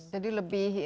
jadi lebih ini lagi